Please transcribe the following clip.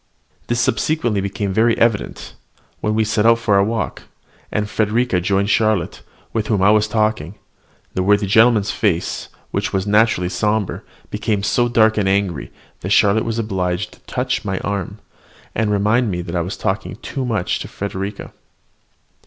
This subsequently became very evident, when we set out to take a walk, and Frederica joining Charlotte, with whom I was talking, the worthy gentleman's face, which was naturally rather sombre, became so dark and angry that Charlotte was obliged to touch my arm, and remind me that I was talking too much to Frederica.